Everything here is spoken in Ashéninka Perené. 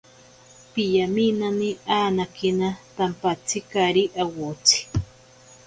Piyaminani anakina tampatsikatatsiri awotsi.